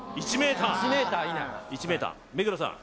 １ｍ以内目黒さん